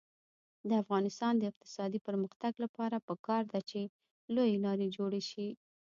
د افغانستان د اقتصادي پرمختګ لپاره پکار ده چې لویې لارې جوړې شي.